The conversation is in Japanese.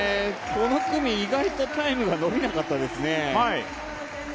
この組、意外とタイムが伸びなかったですね。